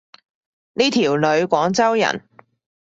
呢條女廣州人